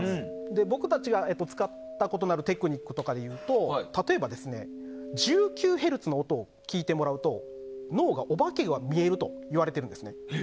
僕たちが使ったことのあるテクニックでいうと例えば、１９ヘルツの音を聞いてもらうと脳がお化けが見えるといわれているんですね。